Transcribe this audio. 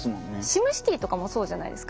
「シムシティ」とかもそうじゃないですか。